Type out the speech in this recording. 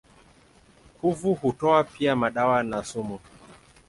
Kuvu hutoa pia madawa na sumu.